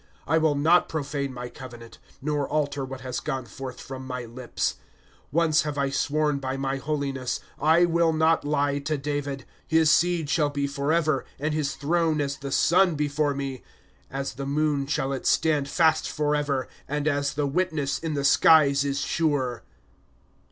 ^* I will not profane my covenant, Nor alter whiit has gone forth from my lips, ^^ Once have I sworn by my holiness ; I will not lie to David. ^^ His seed shall be forever, And his throne as the sun before me. ^'^ As the moon shall it stand fast forever, And as the witness in the skies is sure.